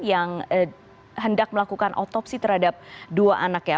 yang hendak melakukan otopsi terhadap dua anaknya